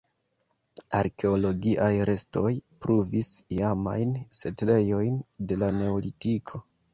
Arkeologiaj restoj pruvis iamajn setlejojn de la neolitiko.